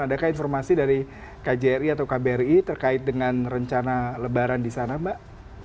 adakah informasi dari kjri atau kbri terkait dengan rencana lebaran di sana mbak